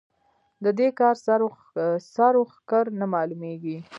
د دې کار سر و ښکر نه مالومېږي.